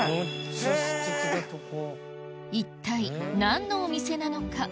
一体何のお店なのか？